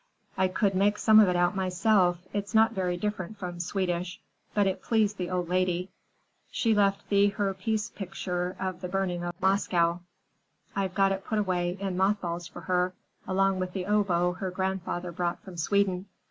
I could make some of it out myself,—it's not very different from Swedish,—but it pleased the old lady. She left Thea her piece picture of the burning of Moscow. I've got it put away in moth balls for her, along with the oboe her grandfather brought from Sweden.